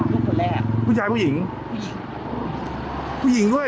คือคนแรกผู้ยายผู้หญิงผู้หญิงติ๊ย